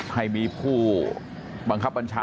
ให้มีผู้บังคับบัญชา